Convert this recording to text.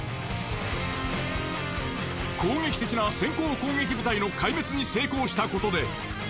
攻撃的な先行攻撃部隊の壊滅に成功したことで。